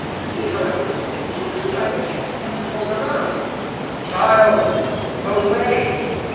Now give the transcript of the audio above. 008:054 He, however, took her by the hand and called aloud, "Child, awake!"